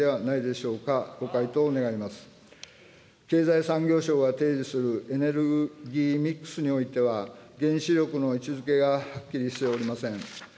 経済産業省が提示するエネルギーミックスにおいては、原子力の位置づけがはっきりしておりません。